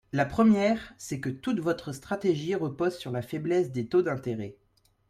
La première, c’est que toute votre stratégie repose sur la faiblesse des taux d’intérêt.